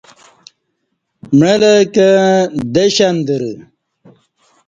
معلہ کں دش اندرہ